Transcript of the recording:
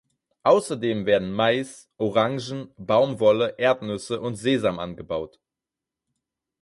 Außerdem werden Mais, Orangen, Baumwolle, Erdnüsse und Sesam angebaut.